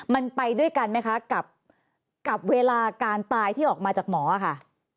มันไปด้วยกันไหมคะกับเวลาการตายที่ออกมาจากหมอค่ะ